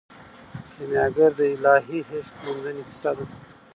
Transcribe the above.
کیمیاګر د الهي عشق موندنې کیسه ده.